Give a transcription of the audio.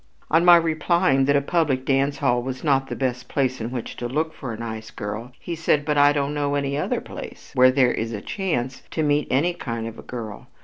On my replying that a public dance hall was not the best place in which to look for a nice girl, he said: "But I don't know any other place where there is a chance to meet any kind of a girl.